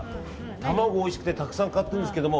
卵おいしくてたくさん買ってるんですけど。